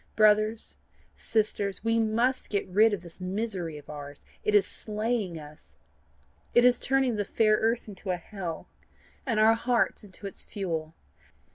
Brothers, sisters, we MUST get rid of this misery of ours. It is slaying us. It is turning the fair earth into a hell, and our hearts into its fuel.